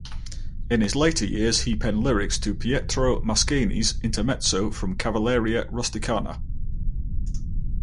In his later years he penned lyrics to Pietro Mascagni's "Intermezzo" from "Cavelleria Rusticana".